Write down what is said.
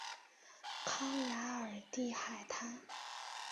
康雅尔蒂海滩。